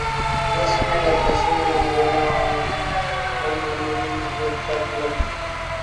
Es una adaptación de la novela homónima de Jack London.